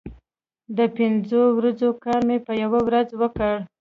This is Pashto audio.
د پنځو ورځو کار مې په یوه ورځ وکړ.